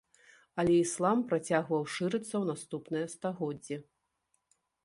Але іслам працягваў шырыцца ў наступныя стагоддзі.